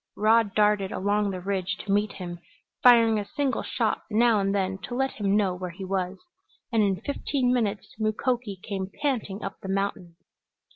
Rod darted along the ridge to meet him, firing a single shot now and then to let him know where he was, and in fifteen minutes Mukoki came panting up the mountain.